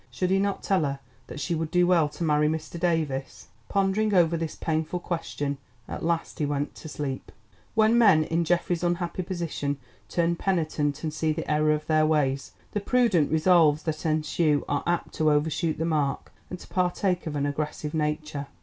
Should he not tell her that she would do well to marry Mr. Davies? Pondering over this most painful question, at last he went to sleep. When men in Geoffrey's unhappy position turn penitent and see the error of their ways, the prudent resolves that ensue are apt to overshoot the mark and to partake of an aggressive nature.